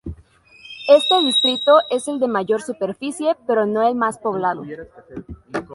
Este distrito es el de mayor superficie, pero no el más poblado.